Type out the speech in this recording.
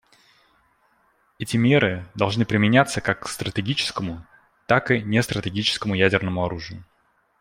Эти меры должны применяться как к стратегическому, так и нестратегическому ядерному оружию.